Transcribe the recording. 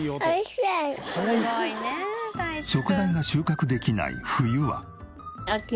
食材が収穫できない冬は。